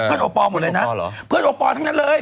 โอปอลหมดเลยนะเพื่อนโอปอลทั้งนั้นเลย